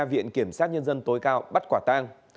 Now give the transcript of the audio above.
viện kiểm sát nhân dân tối cao bắt quả tang